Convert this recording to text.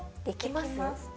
できます。